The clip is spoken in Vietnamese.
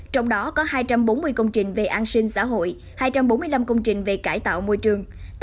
trong đó có hai trăm bốn mươi công trình về an sinh xã hội hai trăm bốn mươi năm công trình về cải tạo môi trường